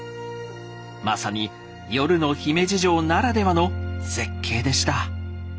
まさに夜の姫路城ならではの絶景でした。